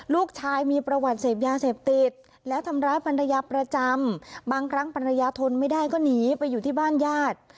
ลูกชายมีประวัติเสพยาเสพติดแล้วทำร้ายภรรยาประจำบางครั้งภรรยาทนไม่ได้ก็หนีไปอยู่ที่บ้านญาติ